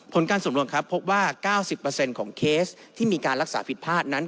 ผลการสำรวจครับพบว่า๙๐ของเคสที่มีการรักษาผิดพลาดนั้น